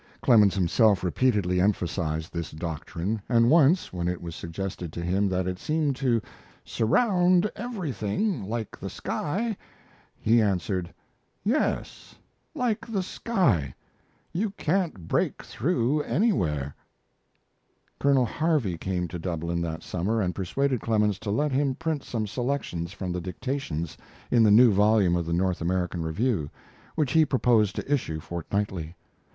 Clemens himself repeatedly emphasized this doctrine, and once, when it was suggested to him that it seemed to "surround every thing, like the sky," he answered: "Yes, like the sky; you can't break through anywhere." Colonel Harvey came to Dublin that summer and persuaded Clemens to let him print some selections from the dictations in the new volume of the North American Review, which he proposed to issue fortnightly.